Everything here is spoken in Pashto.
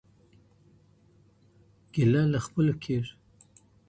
ګیله له خپلو کېږي.